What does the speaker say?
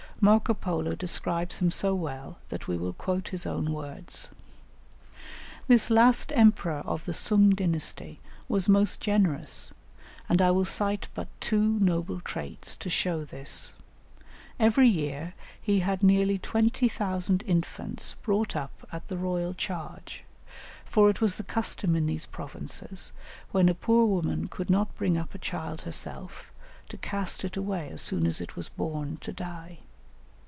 Marco Polo describes him so well that we will quote his own words. "This last emperor of the Soong dynasty was most generous, and I will cite but two noble traits to show this; every year he had nearly 20,000 infants brought up at the royal charge, for it was the custom in these provinces, when a poor woman could not bring up a child herself, to cast it away as soon as it was born, to die.